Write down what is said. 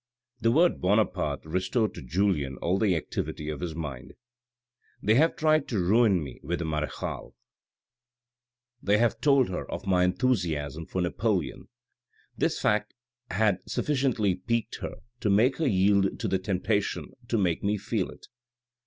The word Bonaparte restored to Julien all the activity of his mind. " They have tried to ruin me with the marechale ; 424 THE RED AND THE BLACK they have told her of my enthusiasm for Napoleon. This fact has sufficiently piqued her to make her yield to the temptation to make me feel it."